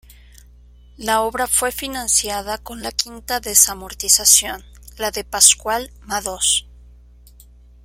La obra fue financiada con la quinta desamortización, la de "Pascual Madoz".